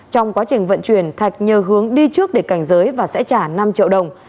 trong quá trình vận chuyển thạch nhờ hướng đi trước để cảnh giới và sẽ trả năm triệu đồng